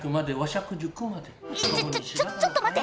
ちょちょっと待って！